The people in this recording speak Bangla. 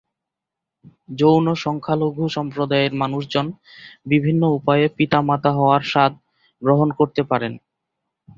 যৌন সংখ্যালঘু সম্প্রদায়ের মানুষজন বিভিন্ন উপায়ে পিতামাতা হওয়ার স্বাদ গ্রহণ করতে পারেন।